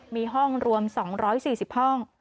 มีห้องรวม๒๔๐ห้อง